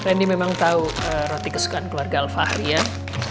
randy memang tau roti kesukaan keluarga alva rian